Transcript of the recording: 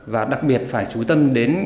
và đặc biệt phải trú tâm đến